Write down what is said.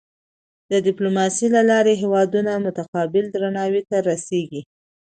د ډیپلوماسۍ له لارې هېوادونه متقابل درناوي ته رسيږي.